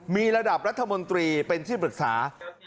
มีระดับรัฐมนตรีเป็นที่ปรึกษา